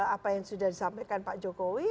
apa yang sudah disampaikan pak jokowi